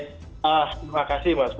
terima kasih mas